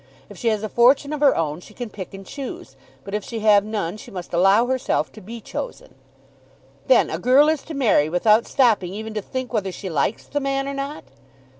If she has a fortune of her own she can pick and choose, but if she have none she must allow herself to be chosen." "Then a girl is to marry without stopping even to think whether she likes the man or not?"